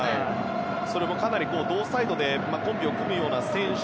それもかなり同サイドでコンビを組むだろう